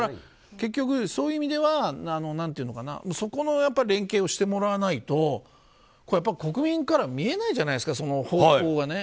結局、そういう意味ではそこの連携をしてもらわないとこれは国民から見えないじゃないですか、方向が。